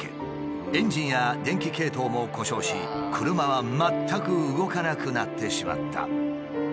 エンジンや電気系統も故障し車は全く動かなくなってしまった。